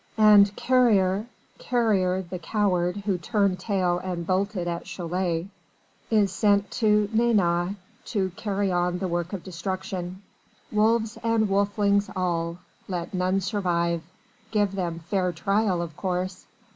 And Carrier Carrier the coward who turned tail and bolted at Cholet is sent to Nantes to carry on the work of destruction. Wolves and wolflings all! Let none survive. Give them fair trial, of course.